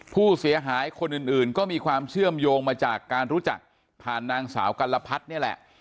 ผู้เสียหายคนอื่นก็มีความเชื่อมโยงมาจากการรู้จักผ่านนางสาวกัลพัฒน์นี่แหละ